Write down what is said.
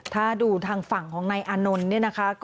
ถ้าดูทางฝั่งของนายอานนท์เนี่ยนะคะ